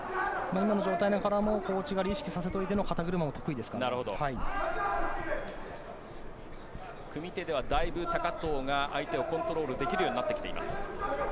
今の状態からも小内刈りを意識させておいてからの組み手では大分、高藤が相手をコントロールできるようになってきています。